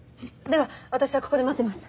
では私はここで待ってます！